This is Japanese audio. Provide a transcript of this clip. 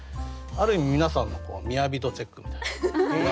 ある意味皆さんの雅度チェックみたいな。